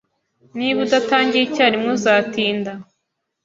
Niba udatangiye icyarimwe, uzatinda